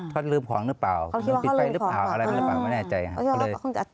เขาลืมของหรือเปล่าอะไรหรือเปล่าไม่แน่ใจค่ะ